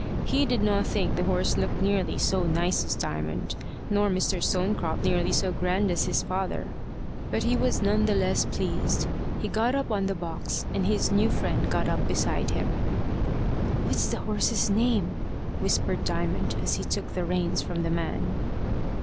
He did not think the horse looked nearly so nice as Diamond, nor Mr. Stonecrop nearly so grand as his father; but he was none, the less pleased. He got up on the box, and his new friend got up beside him. "What's the horse's name?" whispered Diamond, as he took the reins from the man.